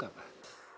karena saya tidak ingin